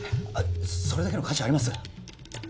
それだけの価値あります？